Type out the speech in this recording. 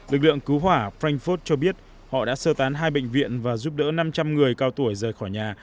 lực lượng cứu hỏa pranh phốt cho biết họ đã sơ tán hai bệnh viện và giúp đỡ năm trăm linh người cao tuổi rời khỏi nhà